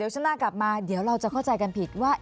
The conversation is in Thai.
ช่วงหน้ากลับมาเดี๋ยวเราจะเข้าใจกันผิดว่า